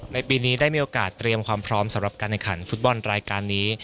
ในปีนี้ได้มีโอกาสเตรียมความพร้อมสำหรับการแข่งขันฟุตบอลรายการนี้